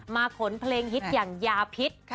ขนเพลงฮิตอย่างยาพิษ